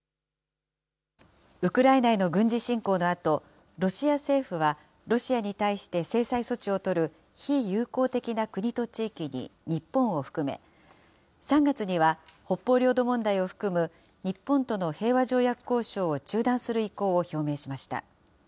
ウクライナへの軍事侵攻のあと、ロシア政府は、ロシアに対して制裁措置を取る非友好的な国と地域に日本を含め、３月には、北方領土問題を含む日本との平和条約交渉を中断する意向を表明しました。